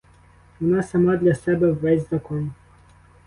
Вона сама для себе ввесь закон.